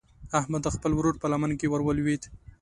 احمد د خپل ورور په لمن کې ور ولوېد.